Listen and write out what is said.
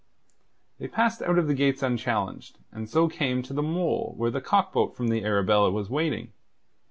They passed out of the gates unchallenged, and so came to the mole where the cock boat from the Arabella was waiting.